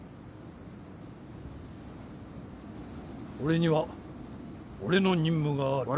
俺には俺の任務がある。